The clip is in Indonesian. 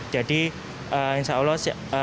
jadi insya allah